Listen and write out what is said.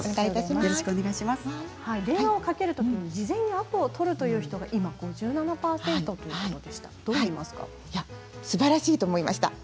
電話をかけるとき事前にアポを取るという人がすばらしいと思いました。